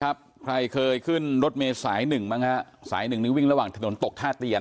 ใครเคยขึ้นรถเมย์สายหนึ่งบ้างฮะสายหนึ่งนี่วิ่งระหว่างถนนตกท่าเตียน